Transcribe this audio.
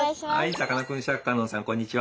さかなクンシャーク香音さんこんにちは！